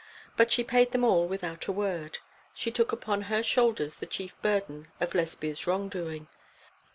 But she paid them all without a word. She took upon her shoulders the chief burden of Lesbia's wrongdoing.